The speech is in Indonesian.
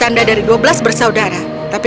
namun dia tidak melihat apa apa